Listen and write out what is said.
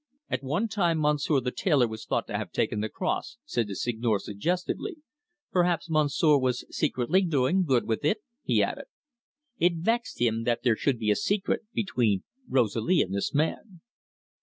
"At one time Monsieur the tailor was thought to have taken the cross," said the Seigneur suggestively. "Perhaps Monsieur was secretly doing good with it?" he added. It vexed him that there should be a secret between Rosalie and this man.